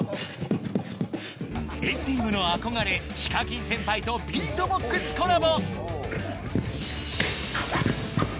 ＆ＴＥＡＭの憧れＨＩＫＡＫＩＮ先輩とビートボックスコラボ